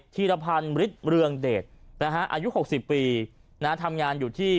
ธีรภัณฑ์เลิกเรืองเดตนะฮะอายุหกสิบปีนะทำงานอยู่ที่